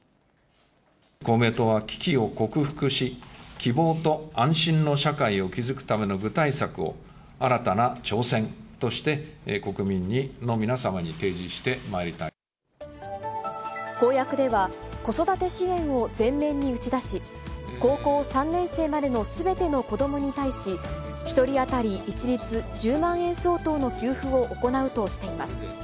公明党は危機を克服し、希望と安心の社会を築くための具体策を新たな挑戦として、公約では、子育て支援を前面に打ち出し、高校３年生までのすべての子どもに対し、１人当たり一律１０万円相当の給付を行うとしています。